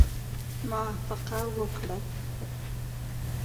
موافقه وکړه.